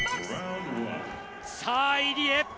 さぁ、入江。